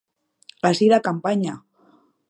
Hasi da kanpaina.